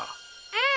うん！